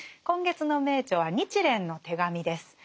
今月の名著は「日蓮の手紙」です。